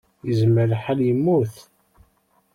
Yezmer lḥal yemmut.